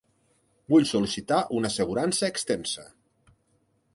Vull sol·licitar una assegurança extensa.